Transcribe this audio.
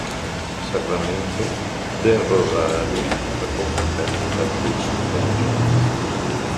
Sacramento, del Rosario, la confraternita del Suffragio.